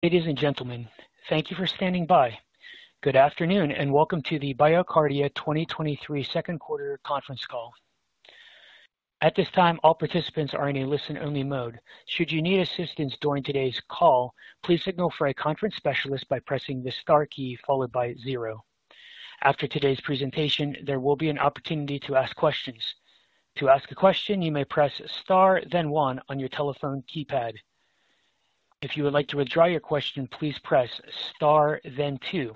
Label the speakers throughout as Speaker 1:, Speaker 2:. Speaker 1: Ladies and gentlemen, thank you for standing by. Good afternoon. Welcome to the BioCardia 2023 second quarter conference call. At this time, all participants are in a listen-only mode. Should you need assistance during today's call, please signal for a conference specialist by pressing the star key followed by zero. After today's presentation, there will be an opportunity to ask questions. To ask a question, you may press star, then one on your telephone keypad. If you would like to withdraw your question, please press star, then two.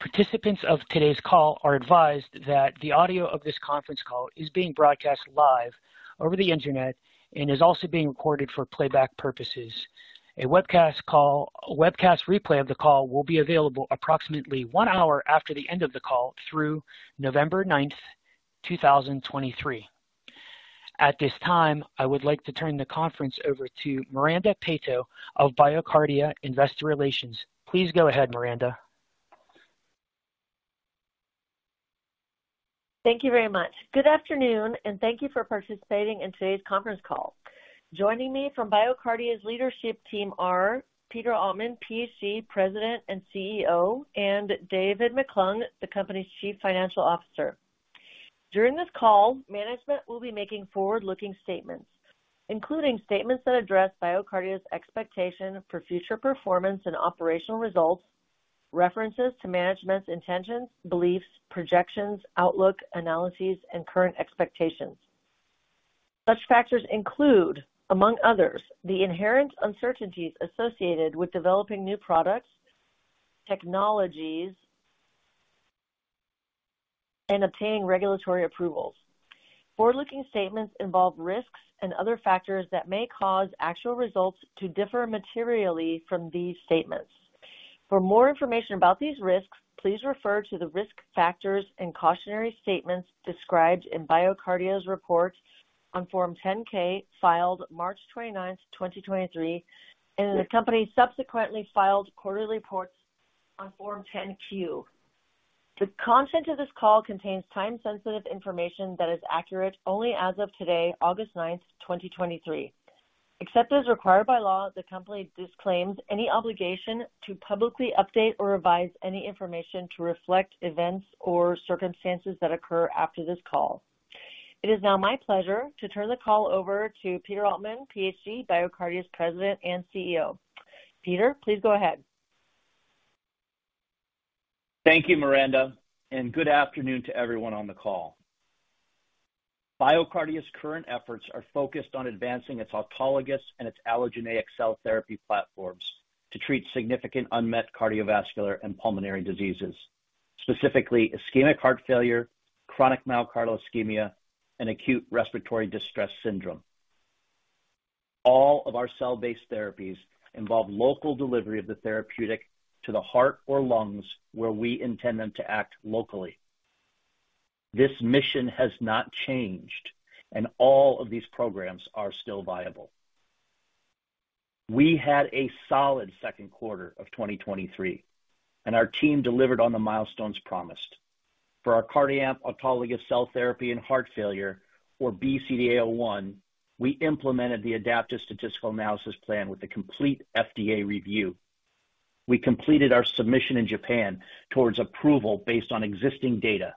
Speaker 1: Participants of today's call are advised that the audio of this conference call is being broadcast live over the internet and is also being recorded for playback purposes. A webcast replay of the call will be available approximately one hour after the end of the call through November 9th, 2023. At this time, I would like to turn the conference over to Miranda Peto of BioCardia Investor Relations. Please go ahead, Miranda.
Speaker 2: Thank you very much. Good afternoon, thank you for participating in today's conference call. Joining me from BioCardia's leadership team are Peter Altman, PhD, President and CEO, and David McClung, the company's Chief Financial Officer. During this call, management will be making forward-looking statements, including statements that address BioCardia's expectation for future performance and operational results, references to management's intentions, beliefs, projections, outlook, analyses, and current expectations. Such factors include, among others, the inherent uncertainties associated with developing new products, technologies, and obtaining regulatory approvals. Forward-looking statements involve risks and other factors that may cause actual results to differ materially from these statements. For more information about these risks, please refer to the risk factors and cautionary statements described in BioCardia's reports on Form 10-K, filed March 29th, 2023, and the company subsequently filed quarterly reports on Form 10-Q. The content of this call contains time-sensitive information that is accurate only as of today, August 9, 2023. Except as required by law, the company disclaims any obligation to publicly update or revise any information to reflect events or circumstances that occur after this call. It is now my pleasure to turn the call over to Peter Altman, PhD, BioCardia's President and CEO. Peter, please go ahead.
Speaker 3: Thank you, Miranda, and good afternoon to everyone on the call. BioCardia's current efforts are focused on advancing its autologous and its allogeneic cell therapy platforms to treat significant unmet cardiovascular and pulmonary diseases, specifically ischemic heart failure, chronic myocardial ischemia, and acute respiratory distress syndrome. All of our cell-based therapies involve local delivery of the therapeutic to the heart or lungs, where we intend them to act locally. This mission has not changed, and all of these programs are still viable. We had a solid second quarter of 2023, and our team delivered on the milestones promised. For our CardiAMP autologous cell therapy and heart failure, or BCDA-01, we implemented the adaptive statistical analysis plan with a complete FDA review. We completed our submission in Japan towards approval based on existing data,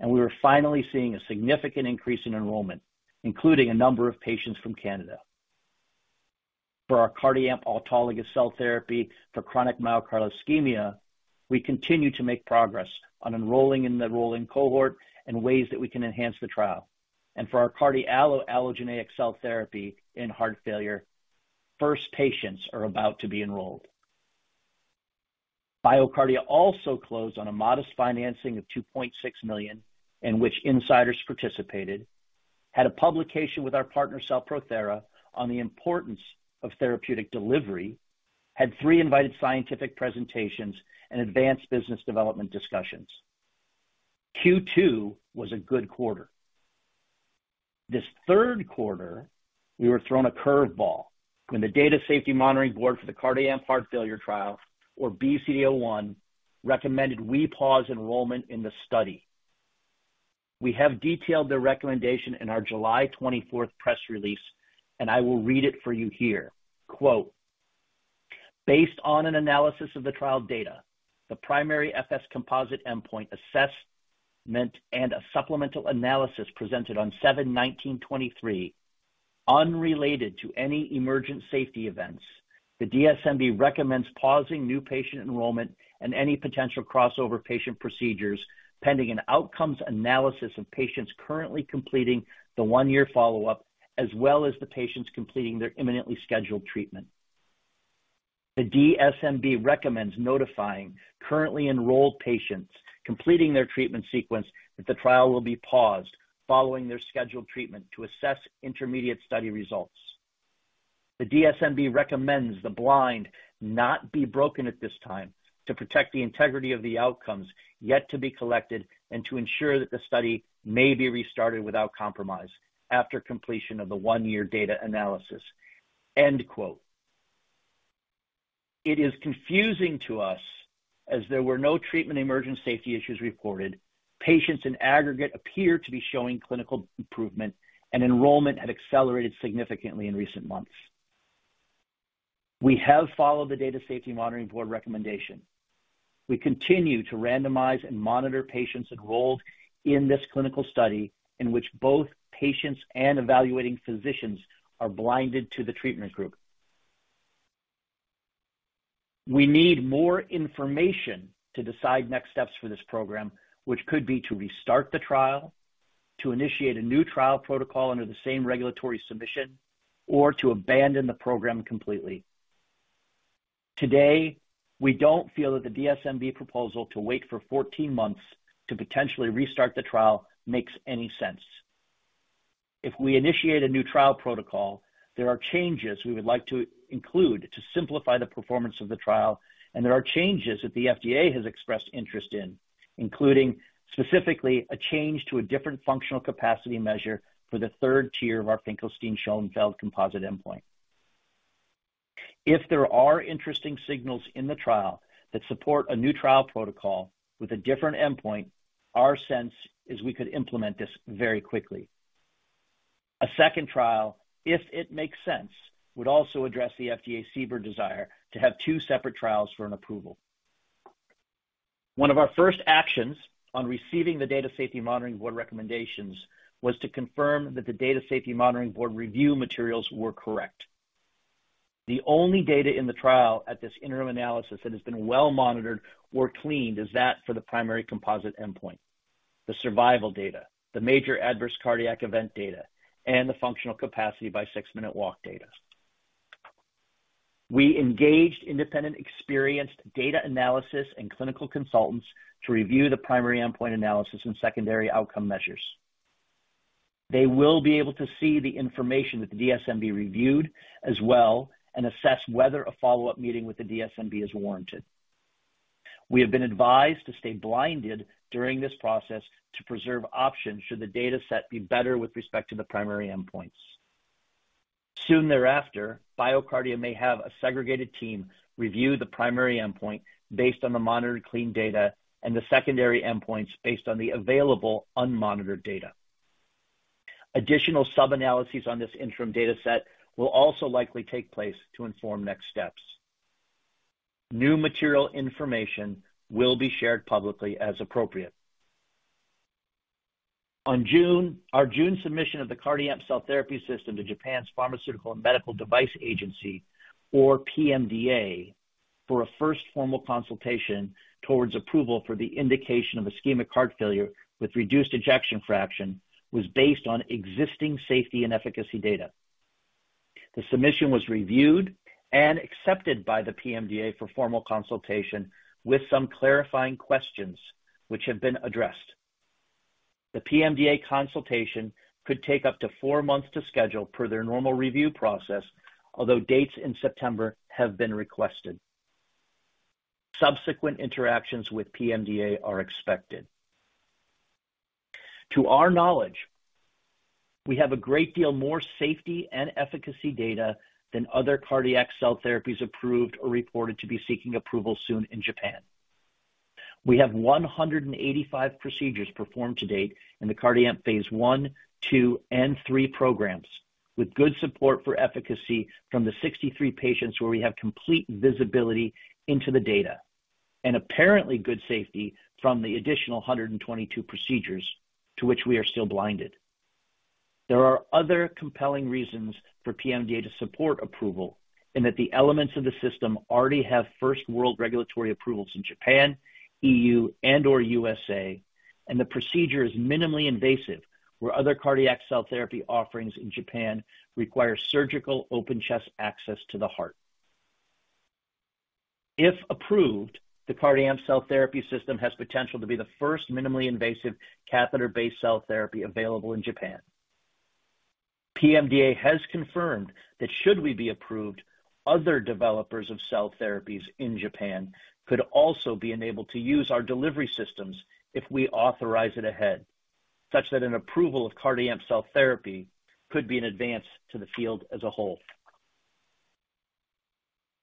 Speaker 3: and we were finally seeing a significant increase in enrollment, including a number of patients from Canada. For our CardiAMP autologous cell therapy for chronic myocardial ischemia, we continue to make progress on enrolling in the rolling cohort and ways that we can enhance the trial. For our CardiALLO allogeneic cell therapy in heart failure, first patients are about to be enrolled. BioCardia also closed on a modest financing of $2.6 million, in which insiders participated, had a publication with our partner, CellProthera, on the importance of therapeutic delivery, had three invited scientific presentations and advanced business development discussions. Q2 was a good quarter. This third quarter, we were thrown a curveball when the Data Safety Monitoring Board for the CardiAMP heart failure trial, or BCDA-01, recommended we pause enrollment in the study. We have detailed the recommendation in our July 24th press release, and I will read it for you here. Quote, "Based on an analysis of the trial data, the primary FS composite endpoint assessment and a supplemental analysis presented on 7/19/2023, unrelated to any emergent safety events, the DSMB recommends pausing new patient enrollment and any potential crossover patient procedures pending an outcomes analysis of patients currently completing the 1-year follow-up, as well as the patients completing their imminently scheduled treatment. The DSMB recommends notifying currently enrolled patients completing their treatment sequence that the trial will be paused following their scheduled treatment to assess intermediate study results. The DSMB recommends the blind not be broken at this time to protect the integrity of the outcomes yet to be collected and to ensure that the study may be restarted without compromise after completion of the 1-year data analysis." End quote. It is confusing to us, as there were no treatment emergent safety issues reported, patients in aggregate appear to be showing clinical improvement, and enrollment had accelerated significantly in recent months. We have followed the Data Safety Monitoring Board recommendation. We continue to randomize and monitor patients enrolled in this clinical study, in which both patients and evaluating physicians are blinded to the treatment group. We need more information to decide next steps for this program, which could be to restart the trial, to initiate a new trial protocol under the same regulatory submission, or to abandon the program completely. Today, we don't feel that the DSMB proposal to wait for 14 months to potentially restart the trial makes any sense. If we initiate a new trial protocol, there are changes we would like to include to simplify the performance of the trial, and there are changes that the FDA has expressed interest in, including specifically a change to a different functional capacity measure for the third tier of our Finkelstein-Schoenfeld composite endpoint. If there are interesting signals in the trial that support a new trial protocol with a different endpoint, our sense is we could implement this very quickly. A second trial, if it makes sense, would also address the FDA CBER desire to have two separate trials for an approval. One of our first actions on receiving the Data Safety Monitoring Board recommendations was to confirm that the Data Safety Monitoring Board review materials were correct. The only data in the trial at this interim analysis that has been well-monitored or cleaned is that for the primary composite endpoint, the survival data, the major adverse cardiac event data, and the functional capacity by six-minute walk data. We engaged independent, experienced data analysis and clinical consultants to review the primary endpoint analysis and secondary outcome measures. They will be able to see the information that the DSMB reviewed as well and assess whether a follow-up meeting with the DSMB is warranted. We have been advised to stay blinded during this process to preserve options should the dataset be better with respect to the primary endpoints. Soon thereafter, BioCardia may have a segregated team review the primary endpoint based on the monitored clean data and the secondary endpoints based on the available unmonitored data. Additional sub-analyses on this interim dataset will also likely take place to inform next steps. New material information will be shared publicly as appropriate. Our June submission of the CardiAMP Cell Therapy System to Japan's Pharmaceuticals and Medical Devices Agency, or PMDA, for a first formal consultation towards approval for the indication of ischemic heart failure with reduced ejection fraction, was based on existing safety and efficacy data. The submission was reviewed and accepted by the PMDA for formal consultation, with some clarifying questions which have been addressed. The PMDA consultation could take up to four months to schedule per their normal review process, although dates in September have been requested. Subsequent interactions with PMDA are expected. To our knowledge, we have a great deal more safety and efficacy data than other cardiac cell therapies approved or reported to be seeking approval soon in Japan. We have 185 procedures performed to date in the CardiAMP phase I, II, and III programs, with good support for efficacy from the 63 patients where we have complete visibility into the data, and apparently good safety from the additional 122 procedures to which we are still blinded. There are other compelling reasons for PMDA to support approval, and that the elements of the system already have first world regulatory approvals in Japan, EU, and/or USA, and the procedure is minimally invasive, where other cardiac cell therapy offerings in Japan require surgical open chest access to the heart. If approved, the CardiAMP Cell Therapy System has potential to be the first minimally invasive catheter-based cell therapy available in Japan. PMDA has confirmed that should we be approved, other developers of cell therapies in Japan could also be enabled to use our delivery systems if we authorize it ahead, such that an approval of CardiAMP cell therapy could be an advance to the field as a whole.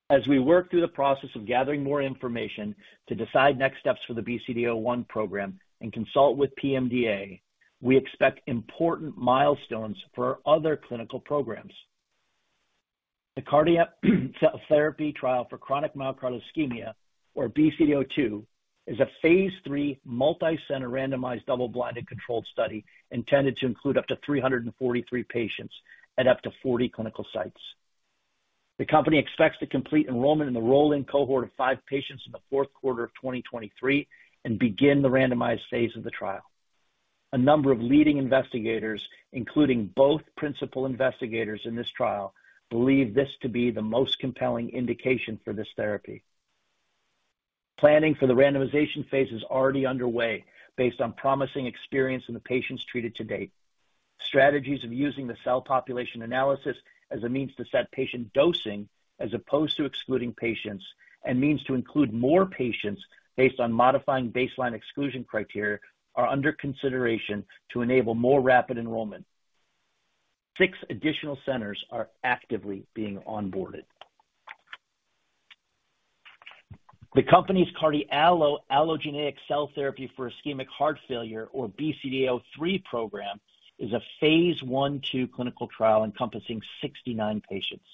Speaker 3: As we work through the process of gathering more information to decide next steps for the BCDA-01 program and consult with PMDA, we expect important milestones for our other clinical programs. The cardiac cell therapy trial for chronic myocardial ischemia, or BCDA-02, is a phase 3 multi-center randomized double-blinded controlled study intended to include up to 343 patients at up to 40 clinical sites. The company expects to complete enrollment in the rolling cohort of 5 patients in the fourth quarter of 2023 and begin the randomized phase of the trial. A number of leading investigators, including both principal investigators in this trial, believe this to be the most compelling indication for this therapy. Planning for the randomization phase is already underway based on promising experience in the patients treated to date. Strategies of using the cell population analysis as a means to set patient dosing as opposed to excluding patients and means to include more patients based on modifying baseline exclusion criteria, are under consideration to enable more rapid enrollment. Six additional centers are actively being onboarded. The company's CardiALLO allogeneic cell therapy for ischemic heart failure, or BCDA-03 program, is a phase I, II clinical trial encompassing 69 patients.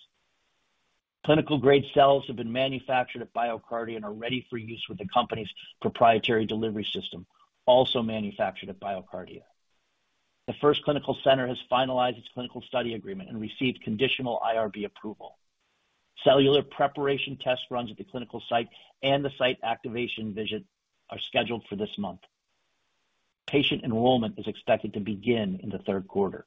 Speaker 3: Clinical-grade cells have been manufactured at BioCardia and are ready for use with the company's proprietary delivery system, also manufactured at BioCardia. The first clinical center has finalized its clinical study agreement and received conditional IRB approval. Cellular preparation test runs at the clinical site and the site activation visit are scheduled for this month. Patient enrollment is expected to begin in the third quarter.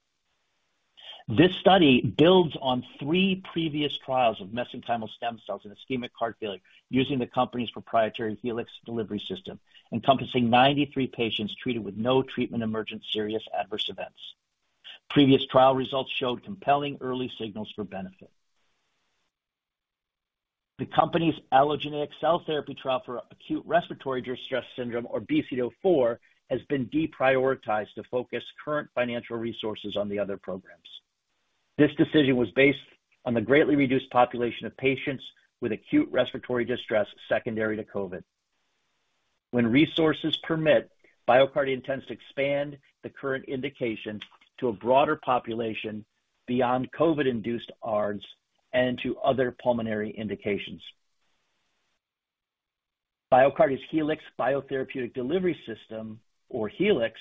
Speaker 3: This study builds on three previous trials of mesenchymal stem cells in ischemic heart failure, using the company's proprietary Helix delivery system, encompassing 93 patients treated with no treatment emergent serious adverse events. Previous trial results showed compelling early signals for benefit. The company's allogeneic cell therapy trial for acute respiratory distress syndrome, or BCDA-04, has been deprioritized to focus current financial resources on the other programs. This decision was based on the greatly reduced population of patients with acute respiratory distress secondary to COVID. When resources permit, BioCardia intends to expand the current indication to a broader population beyond COVID-induced ARDS and to other pulmonary indications. BioCardia's Helix biotherapeutic delivery system, or Helix,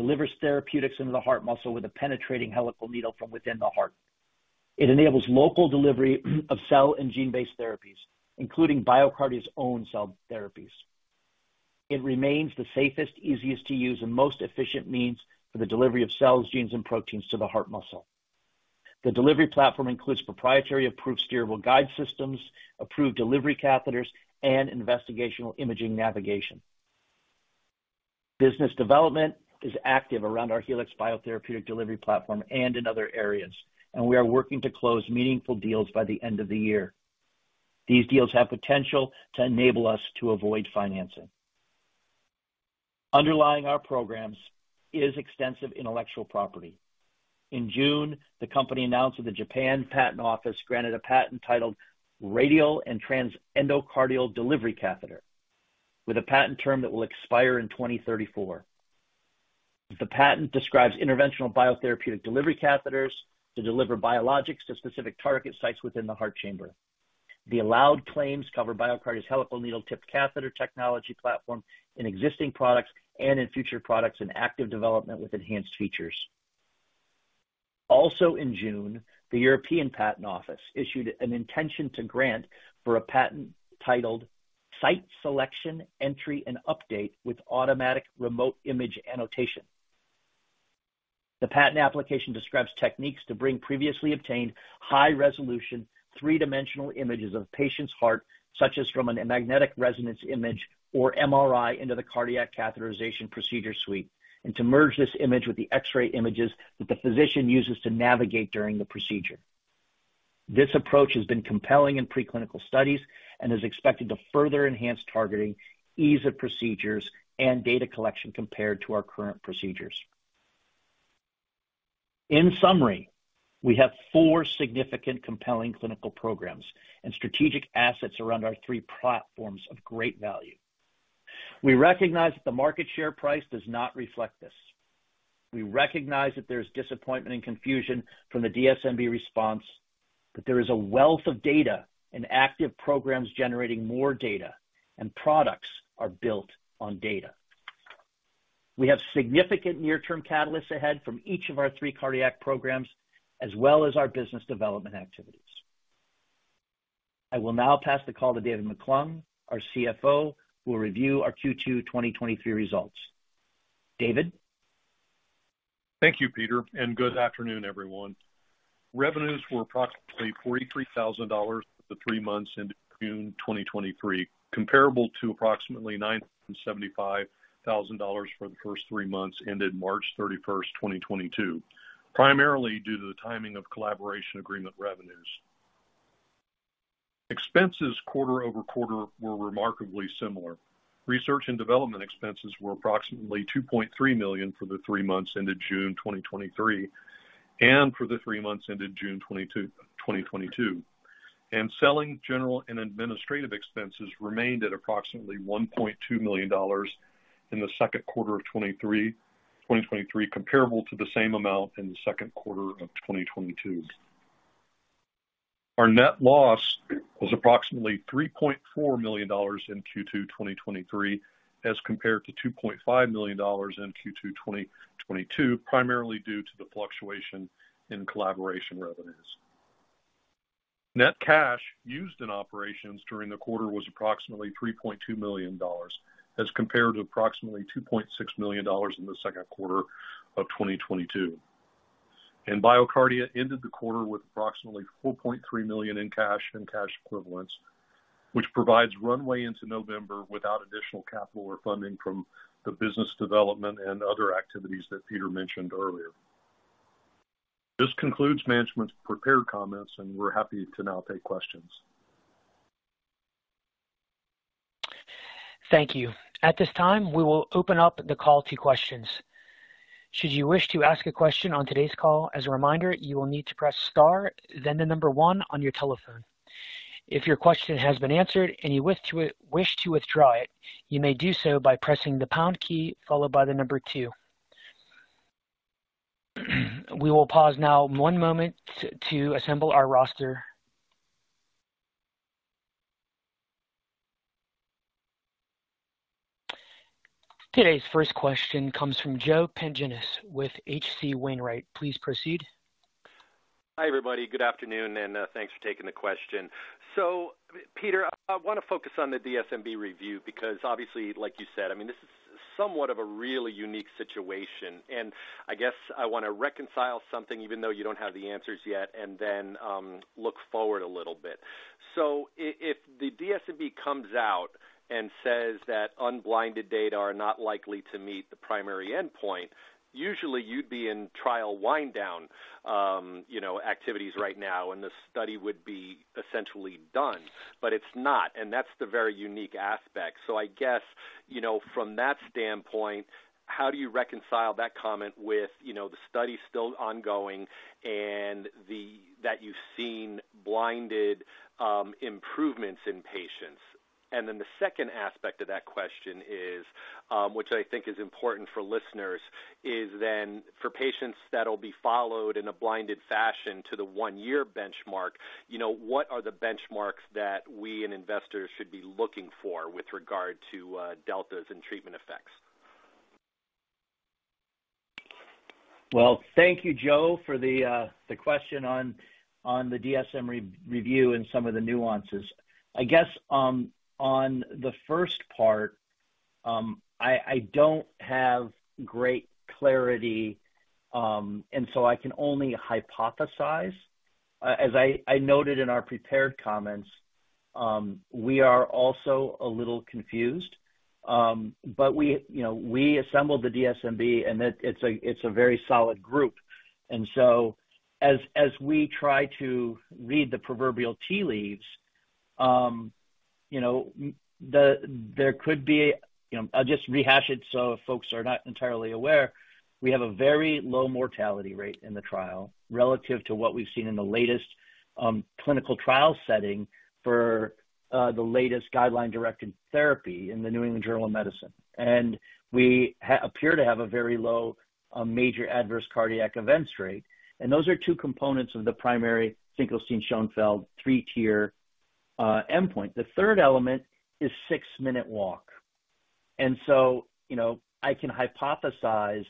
Speaker 3: delivers therapeutics into the heart muscle with a penetrating helical needle from within the heart. It enables local delivery of cell and gene-based therapies, including BioCardia's own cell therapies. It remains the safest, easiest to use, and most efficient means for the delivery of cells, genes and proteins to the heart muscle. The delivery platform includes proprietary approved steerable guide systems, approved delivery catheters, and investigational imaging navigation. Business development is active around our Helix biotherapeutic delivery platform and in other areas, and we are working to close meaningful deals by the end of the year. These deals have potential to enable us to avoid financing. Underlying our programs is extensive intellectual property. In June, the company announced that the Japan Patent Office granted a patent titled Radial and Transendocardial Delivery Catheter, with a patent term that will expire in 2034. The patent describes interventional biotherapeutic delivery catheters to deliver biologics to specific target sites within the heart chamber. The allowed claims cover BioCardia's helical needle tip catheter technology platform in existing products and in future products in active development with enhanced features. Also in June, the European Patent Office issued an intention to grant for a patent titled, Site Selection, Entry and Update with Automatic Remote Image Annotation. The patent application describes techniques to bring previously obtained high-resolution, three-dimensional images of a patient's heart, such as from a magnetic resonance image or MRI, into the cardiac catheterization procedure suite, and to merge this image with the X-ray images that the physician uses to navigate during the procedure. This approach has been compelling in preclinical studies and is expected to further enhance targeting, ease of procedures, and data collection compared to our current procedures. In summary, we have four significant compelling clinical programs and strategic assets around our three platforms of great value. We recognize that the market share price does not reflect this. We recognize that there's disappointment and confusion from the DSMB response, that there is a wealth of data and active programs generating more data, and products are built on data. We have significant near-term catalysts ahead from each of our three cardiac programs, as well as our business development activities. I will now pass the call to David McClung, our CFO, who will review our Q2 2023 results. David?
Speaker 4: Thank you, Peter. Good afternoon, everyone. Revenues were approximately $43,000 for the three months ended June 2023, comparable to approximately $975,000 for the first three months, ended March 31st, 2022, primarily due to the timing of collaboration agreement revenues. Expenses quarter-over-quarter were remarkably similar. Research and development expenses were approximately $2.3 million for the three months ended June 2023 and for the three months ended June 2022, and selling general and administrative expenses remained at approximately $1.2 million in the second quarter of 2023, comparable to the same amount in the second quarter of 2022. Our net loss was approximately $3.4 million in Q2 2023, as compared to $2.5 million in Q2 2022, primarily due to the fluctuation in collaboration revenues. Net cash used in operations during the quarter was approximately $3.2 million, as compared to approximately $2.6 million in the second quarter of 2022. BioCardia ended the quarter with approximately $4.3 million in cash and cash equivalents, which provides runway into November without additional capital or funding from the business development and other activities that Peter mentioned earlier. This concludes management's prepared comments, and we're happy to now take questions.
Speaker 1: Thank you. At this time, we will open up the call to questions. Should you wish to ask a question on today's call, as a reminder, you will need to press star, then 1 on your telephone. If your question has been answered and you wish to withdraw it, you may do so by pressing the pound key, followed by 2. We will pause now 1 moment to assemble our roster. Today's first question comes from Joe Pantginis with H.C. Wainwright. Please proceed.
Speaker 5: Hi, everybody. Good afternoon, thanks for taking the question. Peter, I want to focus on the DSMB review, because obviously, like you said, I mean, this is somewhat of a really unique situation, I guess I want to reconcile something, even though you don't have the answers yet, then look forward a little bit. If the DSMB comes out and says that unblinded data are not likely to meet the primary endpoint, usually you'd be in trial wind down, you know, activities right now, the study would be essentially done, it's not, that's the very unique aspect. I guess, you know, from that standpoint, how do you reconcile that comment with, you know, the study still ongoing that you've seen blinded improvements in patients? Then the second aspect of that question is, which I think is important for listeners, is then for patients that'll be followed in a blinded fashion to the 1-year benchmark, you know, what are the benchmarks that we and investors should be looking for with regard to deltas and treatment effects?
Speaker 3: Well, thank you, Joe, for the, the question on, on the DSM re-review and some of the nuances. I guess, on the first part, I, I don't have great clarity, and so I can only hypothesize. As I, I noted in our prepared comments, we are also a little confused, but we, you know, we assembled the DSMB, and it, it's a, it's a very solid group. As, as we try to read the proverbial tea leaves, you know, there could be, you know, I'll just rehash it so if folks are not entirely aware, we have a very low mortality rate in the trial relative to what we've seen in the latest, clinical trial setting for, the latest guideline-directed therapy in the New England Journal of Medicine. We appear to have a very low, major adverse cardiac events rate, and those are two components of the primary Finkelstein-Schoenfeld three-tier endpoint. The third element is six-minute walk. You know, I can hypothesize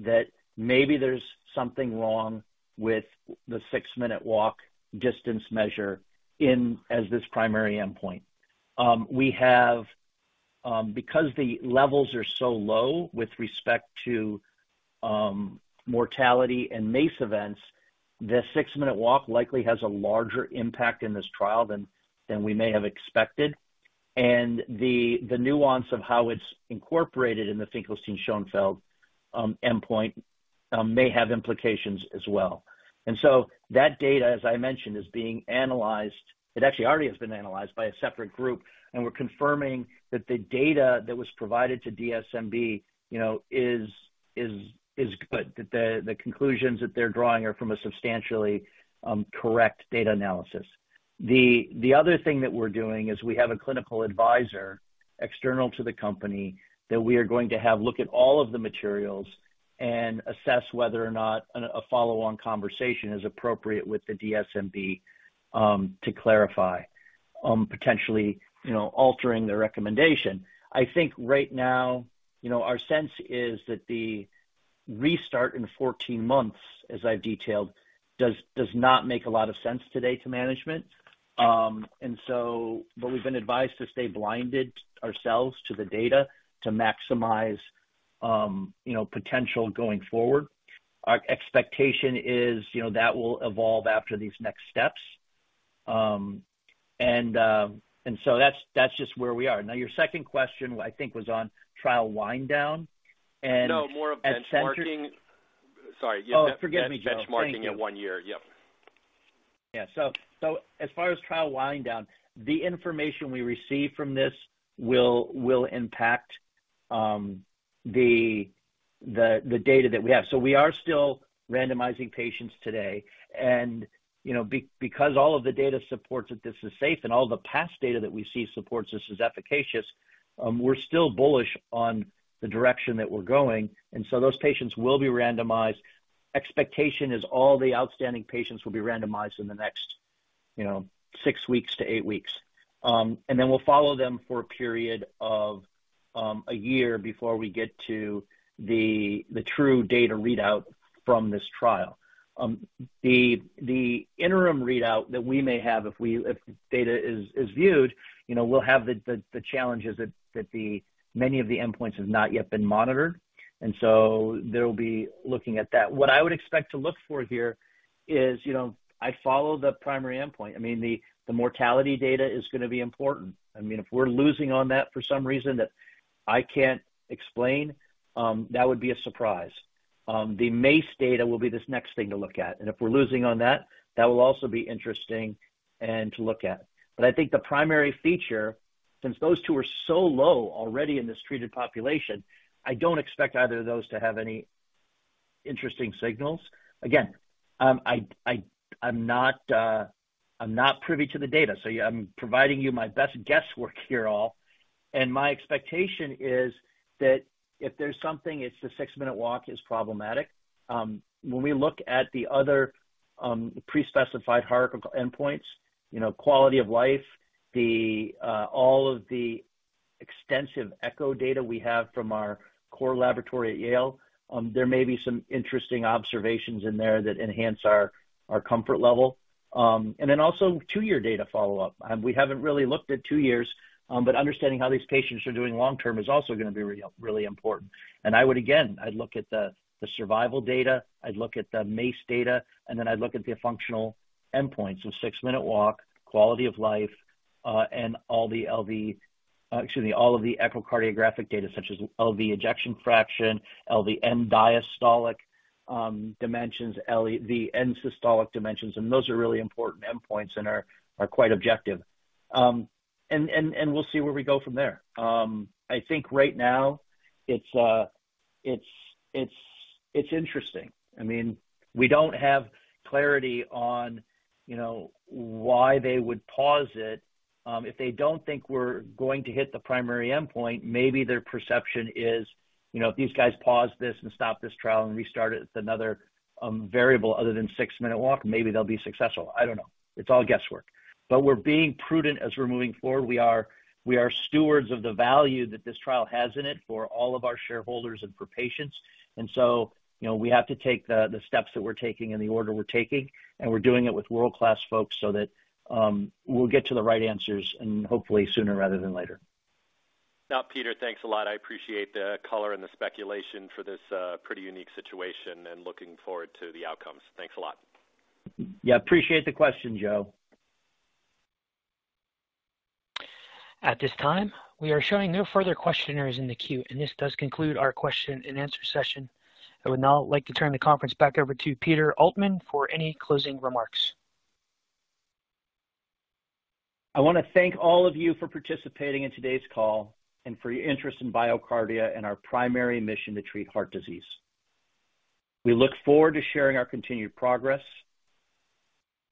Speaker 3: that maybe there's something wrong with the six-minute walk distance measure in, as this primary endpoint. We have, because the levels are so low with respect to mortality and MACE events, the six-minute walk likely has a larger impact in this trial than, than we may have expected, and the, the nuance of how it's incorporated in the Finkelstein-Schoenfeld endpoint may have implications as well. That data, as I mentioned, is being analyzed. It actually already has been analyzed by a separate group, and we're confirming that the data that was provided to DSMB, you know, is, is, is good. That the, the conclusions that they're drawing are from a substantially correct data analysis. The, the other thing that we're doing is we have a clinical advisor, external to the company, that we are going to have look at all of the materials and assess whether or not an, a follow-on conversation is appropriate with the DSMB to clarify, potentially, you know, altering their recommendation. I think right now, you know, our sense is that the restart in 14 months, as I've detailed, does, does not make a lot of sense today to management. But we've been advised to stay blinded ourselves to the data to maximize, you know, potential going forward. Our expectation is, you know, that will evolve after these next steps. That's, that's just where we are. Your second question, I think, was on trial wind down.
Speaker 5: No, more of benchmarking. Sorry.
Speaker 3: Oh, forgive me, Joe.
Speaker 5: Benchmarking at one year. Yep.
Speaker 3: Yeah. As far as trial winding down, the information we receive from this will, will impact the, the, the data that we have. We are still randomizing patients today, and, you know, because all of the data supports that this is safe and all the past data that we see supports this is efficacious, we're still bullish on the direction that we're going, so those patients will be randomized. Expectation is all the outstanding patients will be randomized in the next, you know, six weeks to eight weeks. Then we'll follow them for a period of a year before we get to the, the true data readout from this trial. The, the interim readout that we may have if we, if data is, is viewed, you know, we'll have the, the, the challenges that, that the, many of the endpoints have not yet been monitored, and so they'll be looking at that. What I would expect to look for here is, you know, I follow the primary endpoint. I mean, the, the mortality data is going to be important. I mean, if we're losing on that for some reason, that I can't explain, that would be a surprise. The MACE data will be this next thing to look at, and if we're losing on that, that will also be interesting and to look at. I think the primary feature, since those two are so low already in this treated population, I don't expect either of those to have any interesting signals. Again, I, I, I'm not, I'm not privy to the data, so yeah, I'm providing you my best guesswork here, all. My expectation is that if there's something, it's the six-minute walk is problematic. When we look at the other pre-specified hierarchical endpoints, you know, quality of life, the, all of the extensive echo data we have from our core laboratory at Yale, there may be some interesting observations in there that enhance our, our comfort level. Also two-year data follow-up. We haven't really looked at two years, but understanding how these patients are doing long term is also gonna be really important. I would again, I'd look at the survival data, I'd look at the MACE data, then I'd look at the functional endpoints, so six-minute walk, quality of life, and all the LV... excuse me, all of the echocardiographic data, such as LV ejection fraction, LV end-diastolic dimensions, the end-systolic dimensions, and those are really important endpoints and are quite objective. We'll see where we go from there. I think right now it's, it's, it's interesting. I mean, we don't have clarity on, you know, why they would pause it. If they don't think we're going to hit the primary endpoint, maybe their perception is, you know, if these guys pause this and stop this trial and restart it with another variable other than six-minute walk, maybe they'll be successful. I don't know. It's all guesswork. We're being prudent as we're moving forward. We are, we are stewards of the value that this trial has in it for all of our shareholders and for patients. So, you know, we have to take the, the steps that we're taking in the order we're taking, and we're doing it with world-class folks so that we'll get to the right answers and hopefully sooner rather than later.
Speaker 5: Now, Peter, thanks a lot. I appreciate the color and the speculation for this pretty unique situation and looking forward to the outcomes. Thanks a lot.
Speaker 3: Yeah, appreciate the question, Joe.
Speaker 1: At this time, we are showing no further questioners in the queue. This does conclude our question-and-answer session. I would now like to turn the conference back over to Peter Altman for any closing remarks.
Speaker 3: I want to thank all of you for participating in today's call and for your interest in BioCardia and our primary mission to treat heart disease. We look forward to sharing our continued progress.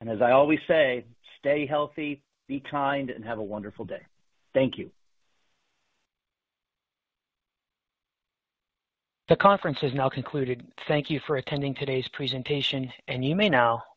Speaker 3: As I always say, stay healthy, be kind, and have a wonderful day. Thank you.
Speaker 1: The conference is now concluded. Thank you for attending today's presentation, and you may now disconnect.